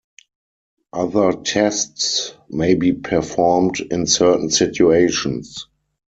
Other tests may be performed in certain situations.